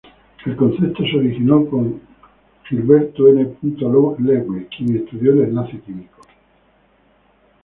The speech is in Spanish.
El concepto se originó con Gilbert N. Lewis, quien estudió el enlace químico.